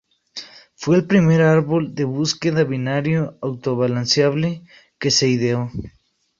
Fue el primer árbol de búsqueda binario auto-balanceable que se ideó.